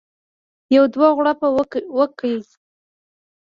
یو دوه غړپه وکړي.